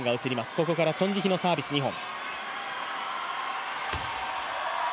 ここからはチョン・ジヒのサービス２本。